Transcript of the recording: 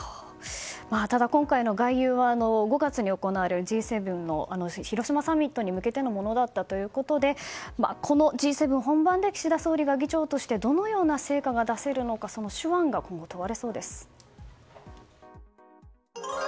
ただ、今回の外遊は５月に行われるＧ７の広島サミットに向けてのものだったということでこのＧ７本番で岸田総理が議長としてどのような成果を出せるのかその手腕が今後、問われそうです。